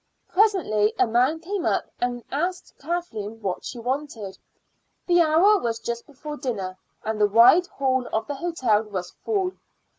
Presently a man came up and asked Kathleen what she wanted. The hour was just before dinner, and the wide hall of the hotel was full.